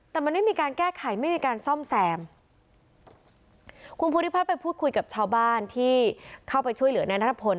แต่มันไม่มีการแก้ไขไม่มีการซ่อมแซมคุณภูริพัฒน์ไปพูดคุยกับชาวบ้านที่เข้าไปช่วยเหลือนายนัทพล